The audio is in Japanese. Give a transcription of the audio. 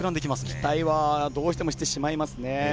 期待は、どうしてもしてしまいますね。